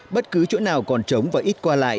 bất cứ chỗ nào còn trống và ít qua lại